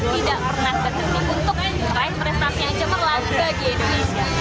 tidak pernah berhenti untuk menunjukkan prestasi yang cemerlang bagi indonesia